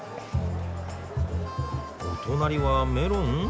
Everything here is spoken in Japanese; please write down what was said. お隣はメロン？